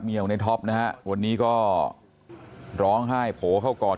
ของในท็อปนะฮะวันนี้ก็ร้องไห้โผล่เข้ากอด